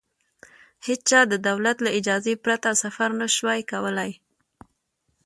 هېچا د دولت له اجازې پرته سفر نه شوای کولای.